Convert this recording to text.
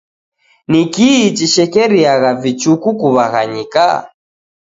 Ni kii chishekeriagha vichuku kuw'aghanyika?